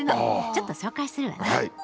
ちょっと紹介するわね。